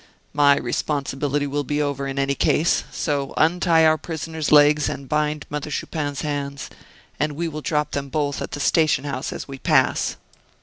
My responsibility will be over, in any case. So untie our prisoner's legs and bind Mother Chupin's hands, and we will drop them both at the station house as we pass."